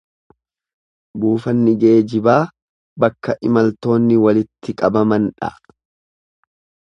Buufanni geejibaa bakka imaltoonni walitti qabaman dha.